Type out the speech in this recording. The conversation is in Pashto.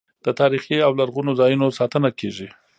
د تاریخي او لرغونو ځایونو ساتنه کیږي.